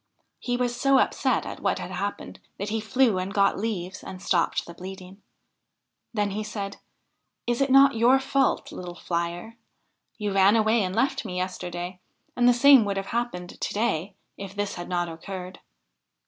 He was so upset at what had happened, that he flew and got leaves and stopped the bleeding. Then he said : 'Is it not your fault, little flier? You ran away and left me yesterday, and the same would have happened to day if this had not occurred.'